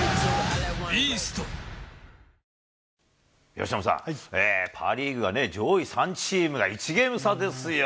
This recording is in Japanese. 由伸さん、パ・リーグがね、上位３チームが１ゲーム差ですよ。